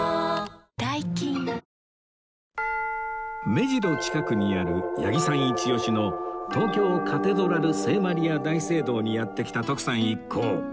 目白近くにある八木さんイチオシの東京カテドラル聖マリア大聖堂にやって来た徳さん一行